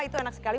itu enak sekali